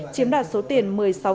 chiếm đoạt số tiền